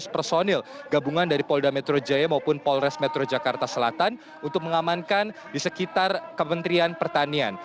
lima ratus personil gabungan dari polda metro jaya maupun polres metro jakarta selatan untuk mengamankan di sekitar kementerian pertanian